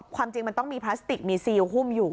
ความจริงมันต้องมีพลาสติกมีซีลหุ้มอยู่